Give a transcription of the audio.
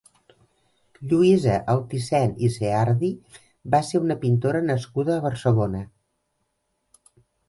Lluïsa Altisent i Ceardi va ser una pintora nascuda a Barcelona.